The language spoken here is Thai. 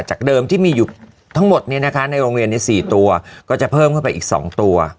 จากเดิมที่มีอยู่ทั้งหมดเนี้ยนะคะในโรงเรียนเนี้ยสี่ตัวก็จะเพิ่มเข้าไปอีกสองตัว